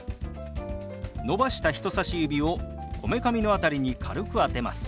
伸ばした人さし指をこめかみの辺りに軽く当てます。